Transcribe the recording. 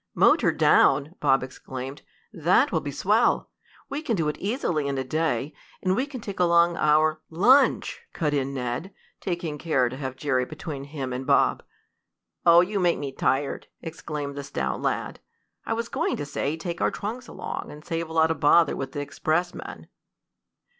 "Motor down!" Bob exclaimed. "That will be swell! We can do it easily in a day, and we can take along our " "Lunch!" cut in Ned, taking care to have Jerry between him and Bob. "Oh, you make me tired!" exclaimed the stout lad. "I was going to say take our trunks along, and save a lot of bother with the expressman."